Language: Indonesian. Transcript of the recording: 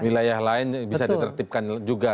wilayah lain bisa ditertibkan juga